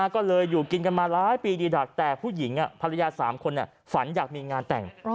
ก็เลยอยู่กินกันมาหลายปีดีดักแต่ผู้หญิงภรรยา๓คนฝันอยากมีงานแต่ง